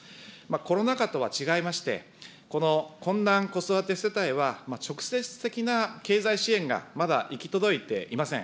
コロナ禍とは違いまして、この困難子育て世帯は、直接的な経済支援がまだ行き届いていません。